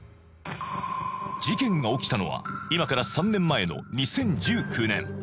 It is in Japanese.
事件が起きたのは今から３年前の２０１９年